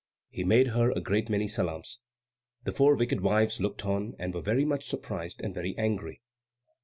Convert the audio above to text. He made her a great many salaams. The four wicked wives looked on and were very much surprised and very angry.